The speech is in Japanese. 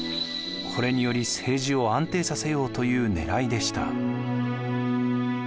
これにより政治を安定させようというねらいでした。